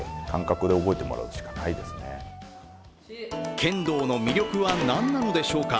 剣道の魅力は何なのでしょうか。